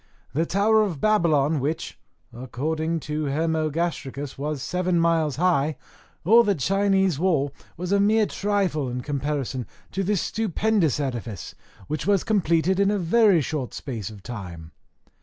The tower of Babylon, which, according to Hermogastricus, was seven miles high, or the Chinese wall, was a mere trifle, in comparison to this stupendous edifice, which was completed in a very short space of time.